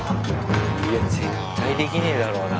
いや絶対できねえだろうな。